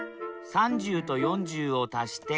３０と４０を足して７０。